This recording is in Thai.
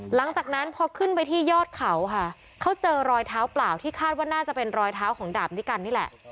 หลังจากนั้นพอขึ้นไปที่ยอดเขาค่ะเขาเจอรอยเท้าเปล่าที่คาดว่าน่าจะเป็นรอยเท้าของดาบนิกันนี่แหละ